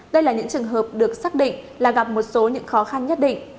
đây là những trường hợp được xác định là gặp một số những khó khăn nhất định